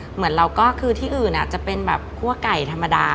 เหมือนเราก็ที่อื่นจะเป็นพวกไก่ธรรมดา